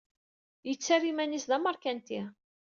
Yettarra iman-is d ameṛkanti.